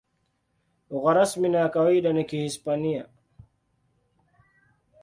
Lugha rasmi na ya kawaida ni Kihispania.